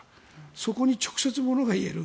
そこに直接ものが言える。